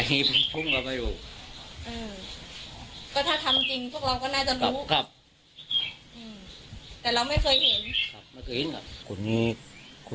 อ้อไอนี้ภูมิลาไปกันอยู่